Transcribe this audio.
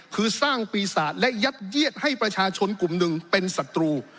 คือสร้างปีศาจและยัดเยียดให้ประชาชนกลุ่มหนึ่งเป็นศัตรู